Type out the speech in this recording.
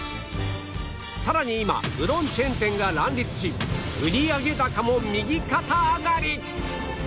さらに今うどんチェーン店が乱立し売り上げ高も右肩上がり！